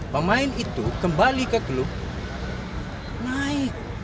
pemain itu kembali ke klub naik